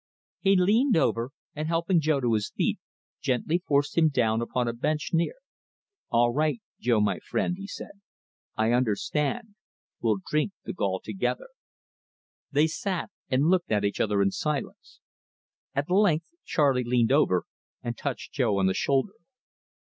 He leaned over, and, helping Jo to his feet, gently forced him down upon a bench near. "All right, Jo, my friend," he said. "I understand. We'll drink the gall together." They sat and looked at each other in silence. At length Charley leaned over and touched Jo on the shoulder.